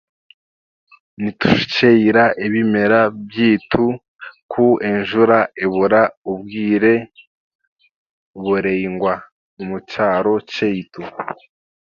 Nitushukiira ebimera byaitu ku enjura ebura obwire buraingwa omu kyaro kyaitu.